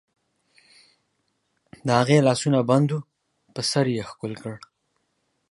د هغې لاسونه بند وو، په سر یې ښکل کړ.